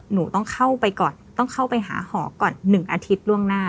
หนูต้องเข้าไปก่อนต้องเข้าไปหาหอก่อน๑อาทิตย์ล่วงหน้า